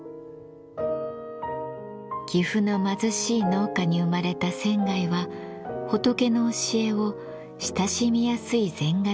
岐阜の貧しい農家に生まれた仙は仏の教えを親しみやすい禅画で描き庶民に与えました。